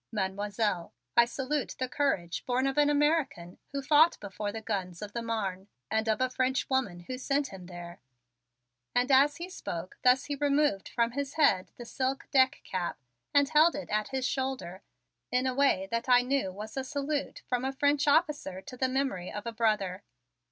"Mademoiselle, I salute the courage born of an American who fought before the guns of the Marne and of a French woman who sent him there!" And as he spoke thus he removed from his head his silk deck cap and held it at his shoulder in a way that I knew was a salute from a French officer to the memory of a brother.